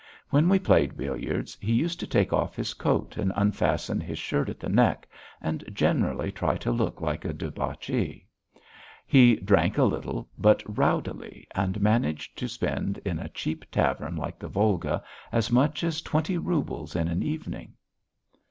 When he played billiards he used to take off his coat, and unfasten his shirt at the neck, and generally try to look like a debauchee. He drank a little, but rowdily, and managed to spend in a cheap tavern like the Volga as much as twenty roubles in an evening.